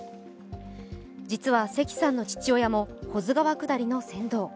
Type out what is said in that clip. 実は関さんの父親も保津川下りの船頭。